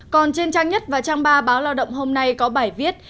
còn trên trang nhất và trang ba báo lao động hôm nay có bài viết